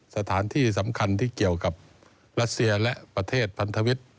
สถานที่สำคัญที่เกี่ยวกับรัสเซียและประเทศพันธวิทย์